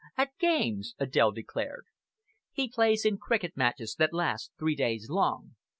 "At games!" Adèle declared. "He plays in cricket matches that last three days long.